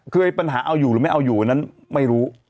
คือปัญหาเอาอยู่หรือไม่เอาอยู่อันนั้นไม่รู้